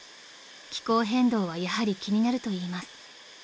［気候変動はやはり気になるといいます］